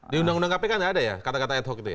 di undang undang kpk tidak ada ya kata kata ad hoc itu ya